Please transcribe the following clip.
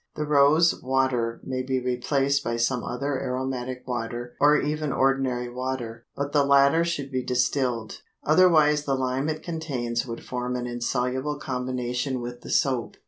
The rose water may be replaced by some other aromatic water or even ordinary water; but the latter should be distilled, otherwise the lime it contains would form an insoluble combination with the soap.